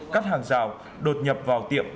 cắt hàng rào đột nhập vào tiệm